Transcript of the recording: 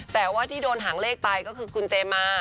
แต่ว่าที่โดนหางเลขไปก็คือคุณเจมา